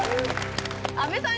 阿部さん